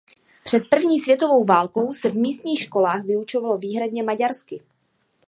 Před první světovou válkou se v místních školách vyučovalo výhradně maďarsky.